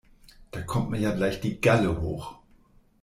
Da kommt mir ja gleich die Galle hoch.